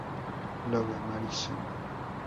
Love Mary so?